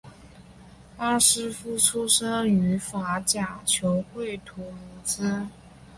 巴夫斯出身于法甲球会图卢兹。